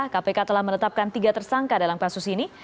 kpk telah menetapkan tiga tersangka dalam kasus ini